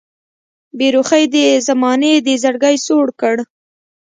بې رخۍ د زمانې دې زړګی سوړ کړ